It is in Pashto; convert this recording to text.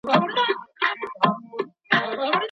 د ژوند مقامونه یوازي لایقو ته نه سي منسوبېدلای.